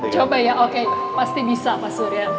coba ya oke pasti bisa mas surya